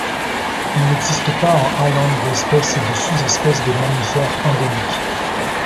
Il n'existe pas en Åland d'espèces et de sous-espèces de mammifères endémiques.